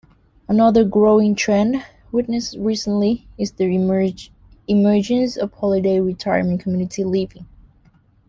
Another growing trend, witnessed recently, is the emergence of Holiday Retirement Community Living.